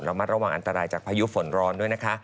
มัดระวังอันตรายจากพายุฝนร้อนด้วยนะคะ